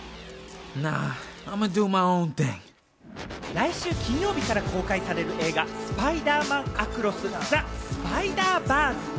来週金曜日から公開される映画『スパイダーマン：アクロス・ザ・スパイダーバース』。